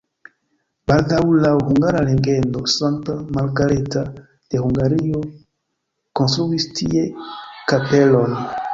Baldaŭ laŭ hungara legendo Sankta Margareta de Hungario konstruis tie kapelon.